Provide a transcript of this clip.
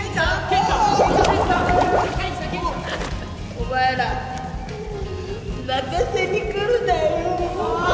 お前ら泣かせにくるなよああ！